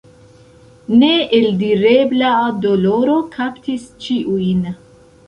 Neeldirebla doloro kaptis ĉiujn.